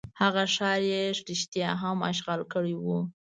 هغه ښار یې رښتیا هم اشغال کړی وو.